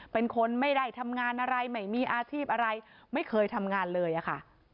เป็นคนไม่ได้ทำงานอะไรไม่มีอาชีพอะไรไม่เคยทำงานเลยอะค่ะ